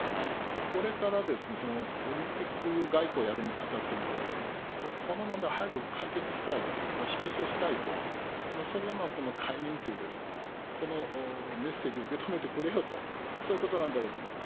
これからですね、オリンピック外交をやるにあたってもですね、この問題、早く解決したい、火消しをしたいと、それが、この解任という、このメッセージを受け止めてくれよと、そういうことなんだろうと思います。